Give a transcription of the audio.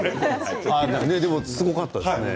でも、すごかったですね。